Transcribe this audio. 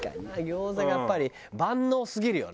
餃子がやっぱり万能すぎるよね。